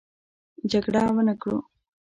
جګړه ونه کړو.